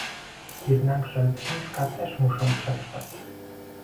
Jednakże lotniska też muszą przetrwać